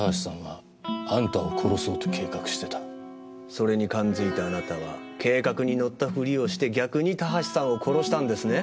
それに感づいたあなたは計画に乗ったふりをして逆に田橋さんを殺したんですね？